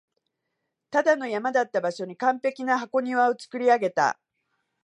ただの山だった場所に完璧な箱庭を造り上げた